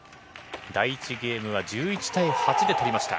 第１ゲームは１１対８で取りました。